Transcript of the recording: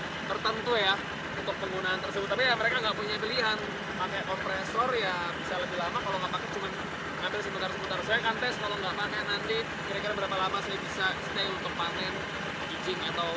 saya bisa stay untuk panen kijing atau kran hijau ini